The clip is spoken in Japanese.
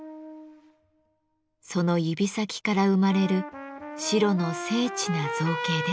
その指先から生まれる白の精緻な造形です。